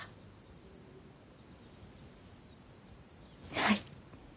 はい。